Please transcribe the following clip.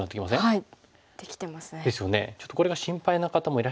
はい。